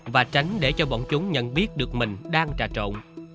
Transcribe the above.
và tránh để cho bọn chúng nhận biết được mình đang trà trộn